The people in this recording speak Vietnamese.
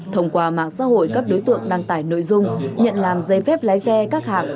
thông qua mạng xã hội các đối tượng đăng tải nội dung nhận làm giấy phép lái xe các hạng